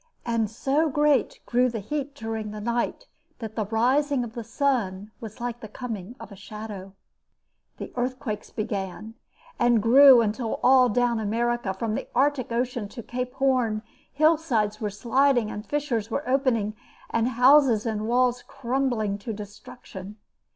And so great grew the heat during the night that the rising of the sun was like the coming of a shadow. The earthquakes began and grew until all down America from the Arctic Circle to Cape Horn, hillsides were sliding, fissures were opening, and houses and walls crumbling to destruction.